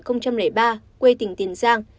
khi đang khống chế hai bé gái tại căn phòng